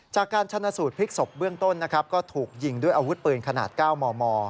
จากการชนะสูตรพลิกศพเบื้องต้นนะครับก็ถูกยิงด้วยอาวุธปืนขนาด๙มม